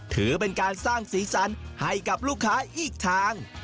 ถือเป็นการสร้างสีสันให้กับลูกค้าอีกทาง